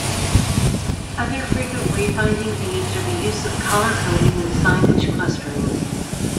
Other frequent wayfinding aids are the use of color coding and signage clustering.